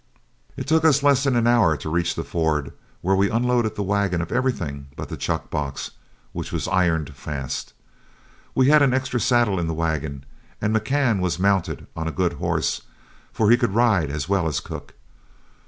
It took us less than an hour to reach the ford, where we unloaded the wagon of everything but the chuck box, which was ironed fast. We had an extra saddle in the wagon, and McCann was mounted on a good horse, for he could ride as well as cook.